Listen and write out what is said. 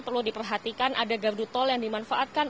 perlu diperhatikan ada gardu tol yang dimanfaatkan